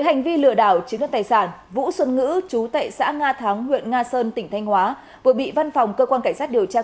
hành vi đồng phạm của bị cáo phan xuân ít đã gây thiệt hại cho ngân sách nhà nước